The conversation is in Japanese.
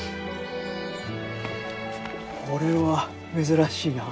これは珍しいな。